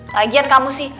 lagian kamu sih